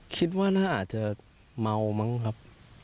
คิดว่าน่าจะเมามั้งครับ